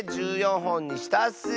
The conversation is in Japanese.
ほんにしたッス。